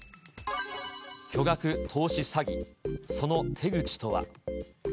巨額投資詐欺、その手口とは。